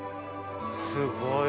すごい！